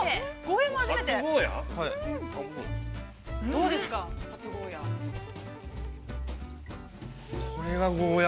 ◆どうですか、初ゴーヤ。